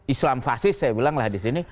islam fasis saya bilang lah disini